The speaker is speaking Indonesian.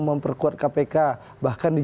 memperkuat kpk bahkan di